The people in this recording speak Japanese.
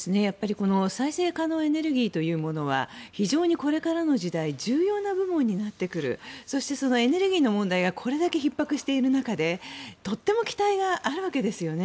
再生可能エネルギーは非常にこれからの時代重要な部門になってくるそして、そのエネルギーの問題がこれだけひっ迫している中でとても期待があるわけですよね。